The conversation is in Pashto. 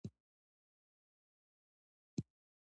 د مشرانو خبرو ته غوږ نیول ګټور وي.